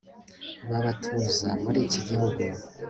babatuza muri iki gihugu